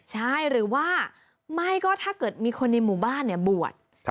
ใช่หรือว่าไม่ก็ถ้าเกิดมีคนในหมู่บ้านบวช